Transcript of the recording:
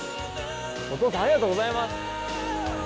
お父さんありがとうございます。